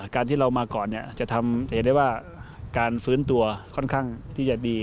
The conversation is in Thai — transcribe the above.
การที่เรามาก่อนจะทำเห็นได้ว่าการฟื้นตัวค่อนข้างที่จะดี